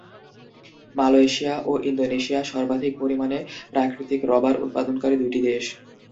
Malaysia ও Indonesia সর্বাধিক পরিমাণে প্রাকৃতিক রবার উৎপাদনকারী দুইটি দেশ।